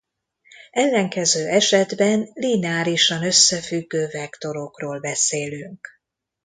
Ellenkező esetben lineárisan összefüggő vektorokról beszélünk.